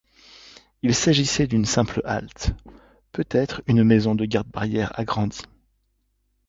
Il s'agissait d'une simple halte, peut-être une maison de garde-barrière agrandie.